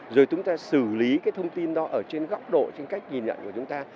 rồi chúng ta xử lý cái thông tin đó ở trên góc độ trên cách nhìn nhận của chúng ta